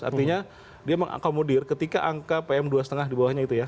artinya dia mengakomodir ketika angka pm dua lima di bawahnya itu ya